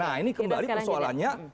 nah ini kembali persoalannya